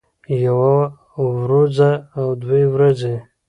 يوه وروځه او دوه ورځې